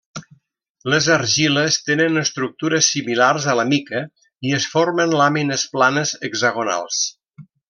Les argiles tenen estructures similars a la mica i es formen làmines planes hexagonals.